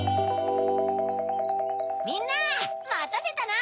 みんなまたせたな！